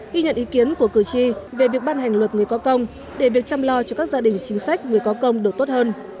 ghi nhận ý kiến của cử tri về việc ban hành luật người có công để việc chăm lo cho các gia đình chính sách người có công được tốt hơn